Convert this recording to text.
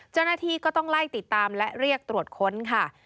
เจ้าหน้าที่ก็ต้องไล่ติดตามและเรียกตรวจค้นค่ะ